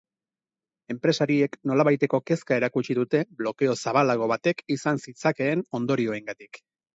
Enpresariek nolabaiteko kezka erakutsi dute blokeo zabalago batek izan zitzakeen ondorioengatik.